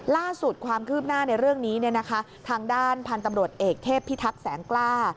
ล่าสุดความคืบหน้าในเรื่องนี้ทางด้านพันธุ์ตำรวจเอกเทพพิทักษ์แสงกล้า